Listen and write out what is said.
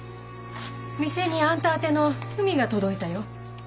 店にあんた宛ての文が届いたよ。